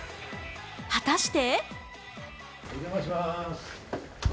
果たして？